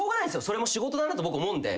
それも仕事だなと思うんで。